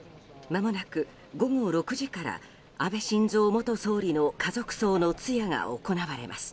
まもなく午後６時から安倍晋三元総理の家族葬の通夜が行われます。